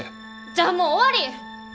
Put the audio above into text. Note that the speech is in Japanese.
じゃあもう終わり！